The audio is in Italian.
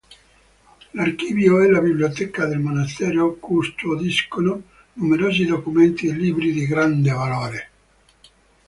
L'archivio e la biblioteca del monastero custodiscono numerosi documenti e libri di grande valore.